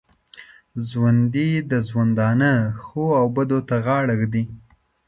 ژوندي د ژوندانه ښو او بدو ته غاړه ږدي